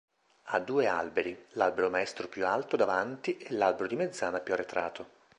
Ha due alberi, l'albero maestro più alto davanti e l'albero di mezzana più arretrato.